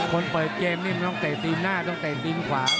เปิดเกมนี่มันต้องเตะตีนหน้าต้องเตะตีนขวา